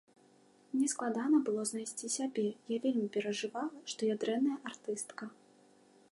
Мне складана было знайсці сябе, я вельмі перажывала, што я дрэнная артыстка.